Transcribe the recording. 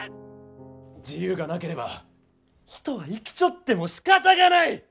自由がなければ人は生きちょってもしかたがない！